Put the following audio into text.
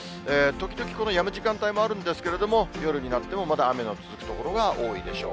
時々やむ時間帯もあるんですけれども、夜になってもまだ雨の続く所が多いでしょう。